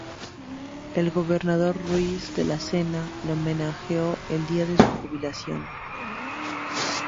El gobernador Ruiz de la Sena le homenajeó el día de su jubilación.